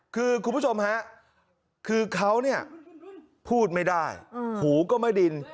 คุณผู้ชมเขาพูดไม่ได้หูก็ไม่ดิน